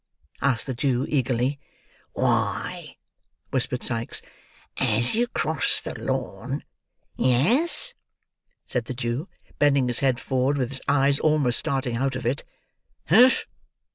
asked the Jew eagerly. "Why," whispered Sikes, "as you cross the lawn—" "Yes?" said the Jew, bending his head forward, with his eyes almost starting out of it. "Umph!"